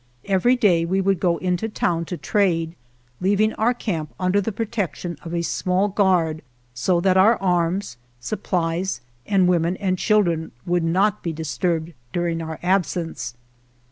Every day we would go into town to trade, leaving our camp under the protec tion of a small guard so that our arms, sup plies, and women and children would not be disturbed during our absence.